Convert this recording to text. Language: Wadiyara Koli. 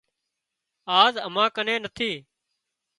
آز امان ڪنين نٿي